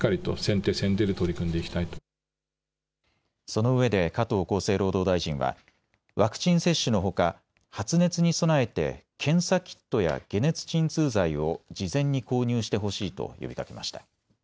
そのうえで加藤厚生労働大臣は、ワクチン接種のほか発熱に備えて検査キットや解熱鎮痛剤を事前に購入してほしいと呼びかけました。